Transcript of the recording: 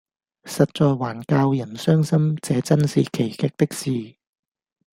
實在還教人傷心，這眞是奇極的事！